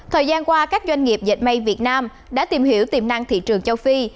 thời gian qua các doanh nghiệp dệt may việt nam đã tìm hiểu tiềm năng thị trường châu phi